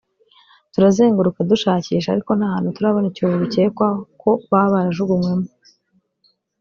turazenguruka dushakisha ariko nta hantu turabona icyobo bikekwako baba barajugunywemo